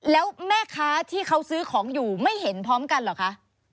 แล้วแม่ค้าที่เขาซื้อของอยู่ไม่เห็นพร้อมกันเหรอคะ